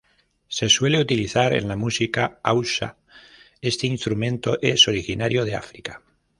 Se suele utilizar en la música hausa. Este instrumento es originario de Africa